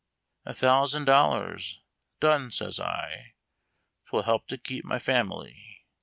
"" A thousand dollars ? Done! " says I ;*•' 'Twill help to keep my family."